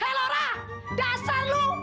hei laura dasar lu